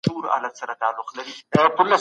دولت به دوامداره کار کړی وي.